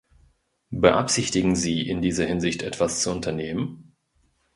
Beabsichtigen Sie, in dieser Hinsicht etwas zu unternehmen?